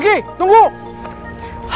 aku mau pergi ke rumah